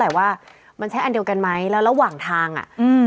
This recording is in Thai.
แต่ว่ามันใช้อันเดียวกันไหมแล้วระหว่างทางอ่ะอืม